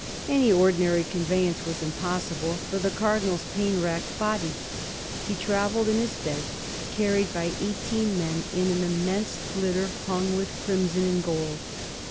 Any ordinary conveyance was impossible for the Cardinal's pain racked body. He travelled in his bed, carried by eighteen men in an immense litter hung with crimson and gold.